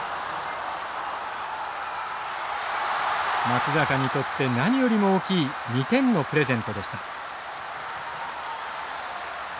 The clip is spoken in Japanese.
松坂にとって何よりも大きい２点のプレゼントでした。